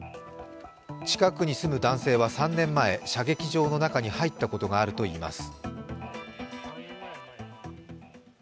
近くに住む男性は３年前射撃場の中に入ったことがあるといいます。